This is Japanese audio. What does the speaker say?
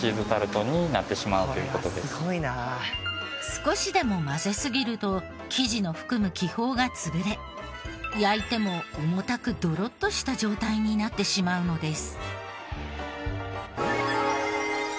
少しでも混ぜすぎると生地の含む気泡が潰れ焼いても重たくドロッとした状態になってしまうのです。